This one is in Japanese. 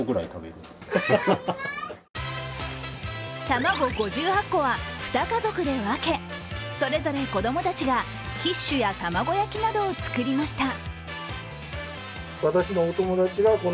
卵５８個は２家族で分け、それぞれ子供たちがキッシュや卵焼きなどを作りました。